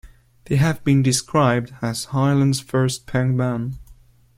They have been described as Ireland's first punk band.